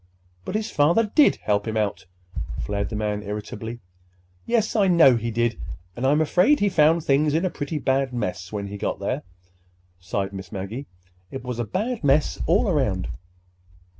"But his father did help him out!" flared the man irritably. "Yes, I know he did; and I'm afraid he found things in a pretty bad mess—when he got there," sighed Miss Maggie. "It was a bad mess all around."